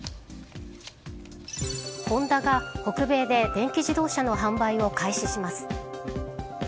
ホンダが北米で電気自動車の販売を開始します。